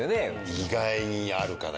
意外にあるかな。